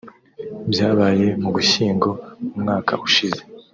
Byabaye mu Gushyingo umwaka ushize